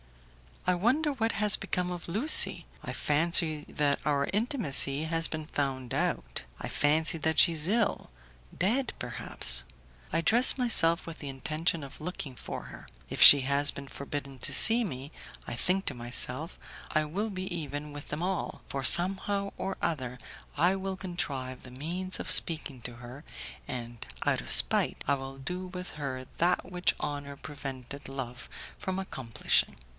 I wonder what has become of Lucie; I fancy that our intimacy has been found out, I fancy that she is ill dead, perhaps. I dress myself with the intention of looking for her. If she has been forbidden to see me, I think to myself, I will be even with them all, for somehow or other I will contrive the means of speaking to her, and out of spite I will do with her that which honour prevented love from accomplishing.